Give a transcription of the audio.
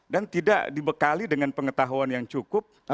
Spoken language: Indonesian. dan tidak dibekali dengan pengetahuan yang cukup